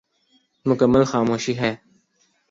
مکمل خاموشی ہے۔